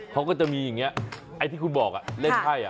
เขาก็จะมีอย่างนี้ไอ้ที่คุณบอกเล่นไพ่